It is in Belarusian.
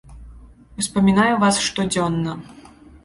Успамінае вас штодзенна.